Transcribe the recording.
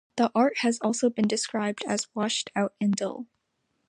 The art has also been described as "washed out and dull".